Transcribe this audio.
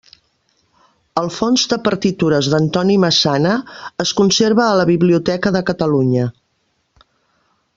El fons de partitures d'Antoni Massana es conserva a la Biblioteca de Catalunya.